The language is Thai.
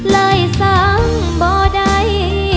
ลายสังเบาใด